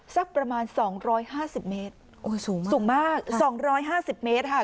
สักประมาณสองร้อยห้าสิบเมตรโอ้ยสูงมากสูงมากสองร้อยห้าสิบเมตรค่ะ